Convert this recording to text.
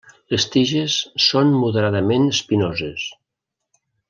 Les tiges són moderadament espinoses.